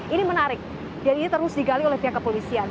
ini menarik dan ini terus digali oleh pihak kepolisian